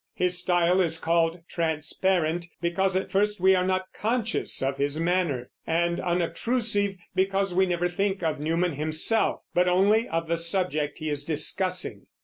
His style is called transparent, because at first we are not conscious of his manner; and unobtrusive, because we never think of Newman himself, but only of the subject he is discussing.